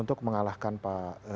untuk mengalahkan pak